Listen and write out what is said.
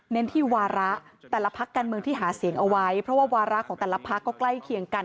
ที่วาระแต่ละพักการเมืองที่หาเสียงเอาไว้เพราะว่าวาระของแต่ละพักก็ใกล้เคียงกัน